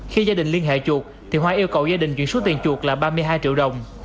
khi gia đình liên hệ chuột thì hoa yêu cầu gia đình chuyển số tiền chuột là ba mươi hai triệu đồng